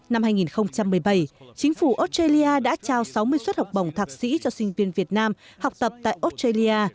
năm hai nghìn một mươi bảy chính phủ australia đã trao sáu mươi suất học bổng thạc sĩ cho sinh viên việt nam học tập tại australia